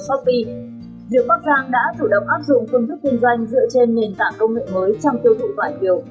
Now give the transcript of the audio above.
và shopee diệu bắc giang đã chủ động áp dụng công thức kinh doanh dựa trên nền tảng công nghệ mới trong tiêu thụ vải thiều